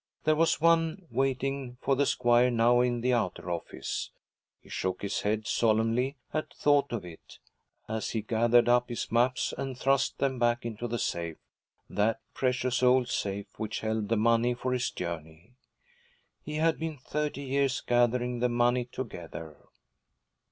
There was one waiting for the squire now in the outer office; he shook his head solemnly at thought of it, as he gathered up his maps and thrust them back into the safe, that precious old safe which held the money for his journey. He had been thirty years gathering the money together.